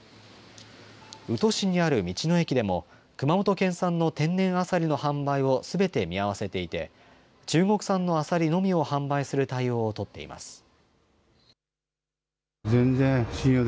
宇土市にある道の駅でも、熊本県産の天然アサリの販売をすべて見合わせていて、中国産のアサリのみを販売する対応を取っています。